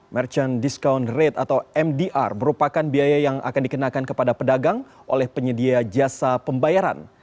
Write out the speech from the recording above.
merchant discount rate atau mdr merupakan biaya yang akan dikenakan kepada pedagang oleh penyedia jasa pembayaran